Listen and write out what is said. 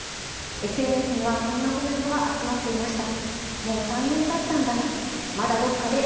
ＳＮＳには、こんなコメントが集まっていました。